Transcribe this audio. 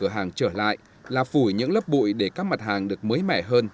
cửa hàng trở lại là phủi những lớp bụi để các mặt hàng được mới mẻ hơn